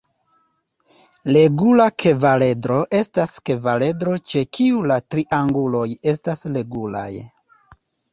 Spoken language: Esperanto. Regula kvaredro estas kvaredro ĉe kiu la trianguloj estas regulaj.